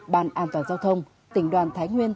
ban an toàn giao thông tỉnh đoàn thái nguyên